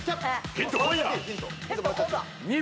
ヒントこいや！